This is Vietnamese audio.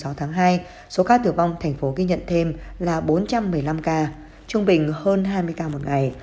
trong sáu tháng hai số ca tử vong thành phố ghi nhận thêm là bốn trăm một mươi năm ca trung bình hơn hai mươi ca một ngày